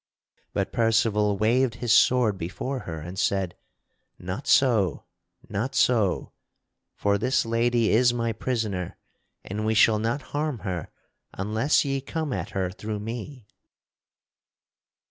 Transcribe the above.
But Percival waved his sword before her and said: "Not so! Not so! For this lady is my prisoner and we shall not harm her unless ye come at her through me."